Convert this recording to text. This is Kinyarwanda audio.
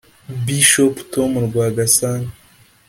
Bishop Tom Rwagasana